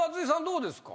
どうですか？